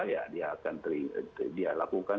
ya dia lakukan